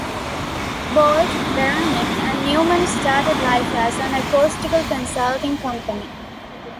Bolt, Beranek and Newman started life as an acoustical consulting company.